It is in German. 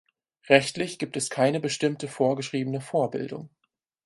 Rechtlich gibt es keine bestimmte vorgeschriebene Vorbildung.